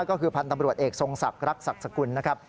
ก็คือพันธ์ตำรวจเอกทรงศักดิ์ศักดิ์สกุลนะครับ